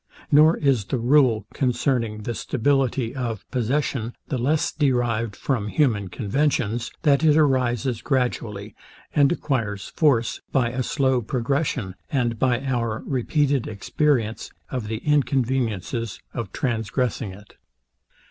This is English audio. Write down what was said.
Nor is the rule concerning the stability of possession the less derived from human conventions, that it arises gradually, and acquires force by a slow progression, and by our repeated experience of the inconveniences of transgressing it.